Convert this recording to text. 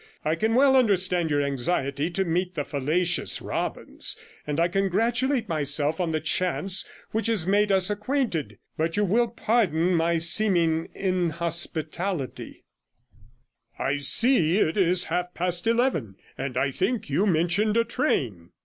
I can well understand your anxiety to meet the fallacious Robbins, and I congratulate myself on the chance which has made us acquainted. But you will pardon my seeming inhospitality; I see it is half past eleven, and I think you mentioned a train.'